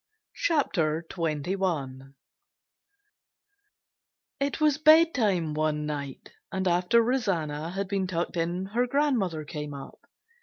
CHAPTER XXI It was bedtime one night, and after Rosanna had been tucked in her grandmother came up.